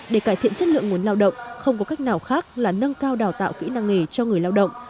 để cải thiện chất lượng nguồn lao động không có cách nào khác là nâng cao đào tạo kỹ năng nghề cho người lao động